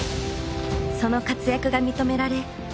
その活躍が認められ世界